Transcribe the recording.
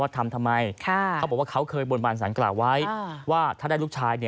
ที่วัดไดจ